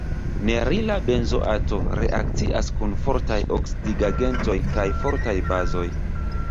Nerila benzoato reakcias kun fortaj oksidigagentoj kaj fortaj bazoj.